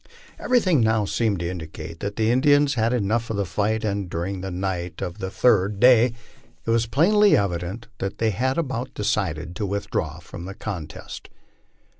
Everything now seemed to indicate that the Indians had had enough of the fight, and during the night of the third day it was plainly evident that they had about decided to withdraw from the contest.